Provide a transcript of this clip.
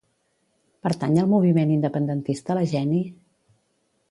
Pertany al moviment independentista la Jeni?